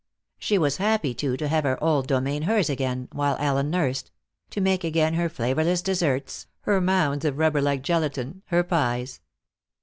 She was happy, too, to have her old domain hers again, while Ellen nursed; to make again her flavorless desserts, her mounds of rubberlike gelatine, her pies.